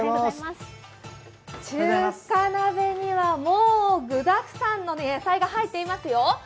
中華鍋にはもう、具だくさんの野菜が入ってますよ。